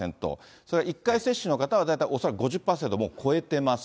それから１回接種の方は大体恐らく５０％をもう超えてます。